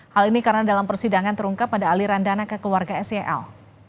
hal ini karena dalam persidangan terungkap pada aliran dana ke keluarga sel